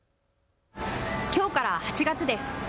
きょうから８月です。